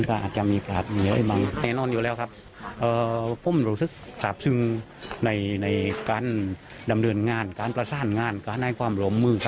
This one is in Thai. คาดว่าในการดำเนินงานการประสานงานการ